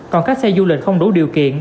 còn các xe du lịch không đủ điều kiện